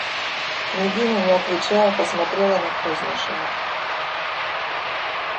Княгиня, не отвечая, посмотрела на Кознышева.